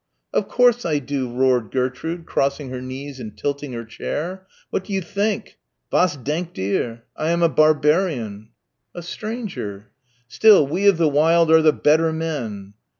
"Of course I do," roared Gertrude, crossing her knees and tilting her chair. "What do you think. Was denkt ihr? I am a barbarian." "A stranger." "Still we of the wild are the better men."